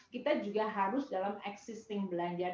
kita juga harus dalam existing belanja